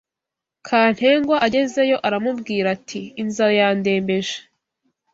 kantengwa agezeyo aramubwira ati: “Inzara yandembeje